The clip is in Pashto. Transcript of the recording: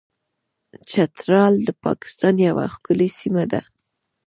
چترال د پاکستان یوه ښکلې سیمه ده.